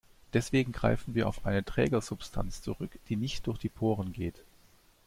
Deswegen greifen wir auf eine Trägersubstanz zurück, die nicht durch die Poren geht.